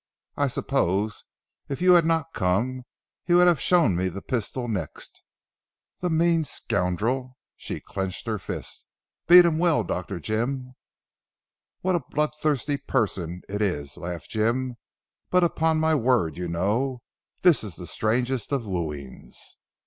I suppose if you had not come, he would have shown me the pistol next. The mean scoundrel!" she clenched her fist, "beat him well Dr. Jim." "What a blood thirsty person it is," laughed Jim, "but upon my word you know, this is the strangest of wooings."